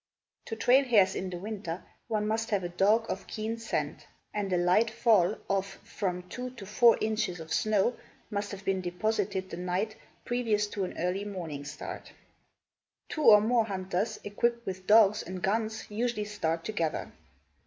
To trail hares in the winter one must have dogs of keen scent and a light fall of from two to four inches of snow must have been deposited the night previous to an early morning start. Two or more hunters equipped with dogs and guns usually start together.